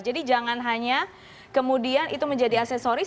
jadi jangan hanya kemudian itu menjadi aksesoris